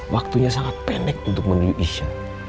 waktunya sangat pendek untuk menuju isya